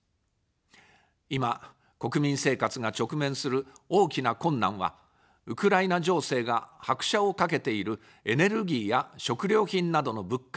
今、国民生活が直面する大きな困難は、ウクライナ情勢が拍車をかけているエネルギーや食料品などの物価高です。